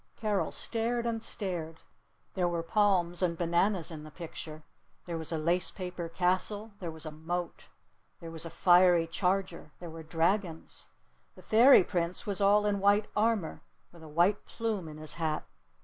Carol stared and stared. There were palms and bananas in the picture. There was a lace paper castle. There was a moat. There was a fiery charger. There were dragons. The Fairy Prince was all in white armor, with a white plume in his hat.